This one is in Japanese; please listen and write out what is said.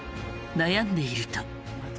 悩んでいると。